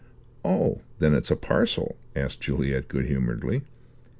Oh, then it's a parcel?" asked Juliet good humouredly.